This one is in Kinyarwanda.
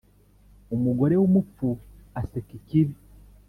Umugore w’umupfu aseka ikibi.